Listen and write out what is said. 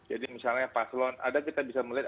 jadi misalnya paslon ada kita bisa melihat